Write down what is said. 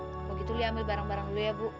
kalau gitu dia ambil barang barang dulu ya bu